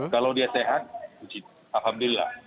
kalau dia sehat alhamdulillah